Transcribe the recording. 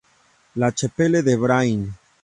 La Chapelle-de-Brain